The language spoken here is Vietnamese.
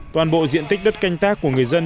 toàn bộ diện tích đất canh tác của người dân